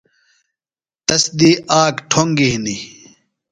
تس دی آک ٹھوۡنگیۡ ہِنیۡ۔